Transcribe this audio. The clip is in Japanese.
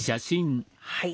はい。